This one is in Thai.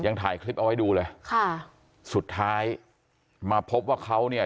ถ่ายคลิปเอาไว้ดูเลยค่ะสุดท้ายมาพบว่าเขาเนี่ย